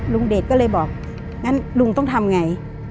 เดชก็เลยบอกงั้นลุงต้องทำไง